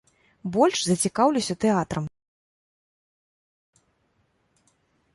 Больш за цікаўлюся тэатрам.